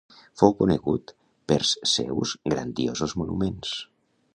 Fou conegut pers seus "grandiosos monuments".